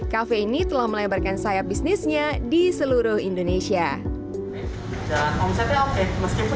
cafe ini telah melebarkan sayap bisnisnya di seluruh indonesia dan omsetnya oke meskipun